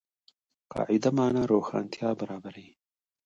قاعده د مانا روښانتیا برابروي.